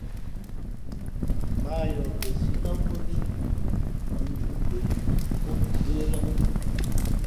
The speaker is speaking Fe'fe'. Mᾱ a yoh kαsǐ nά pó thʉ̄ mᾱ njūʼ kwe nu pó mα ngə́ lά.